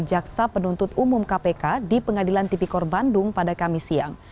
jaksa penuntut umum kpk di pengadilan tipikor bandung pada kamis siang